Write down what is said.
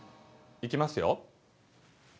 いきますよ。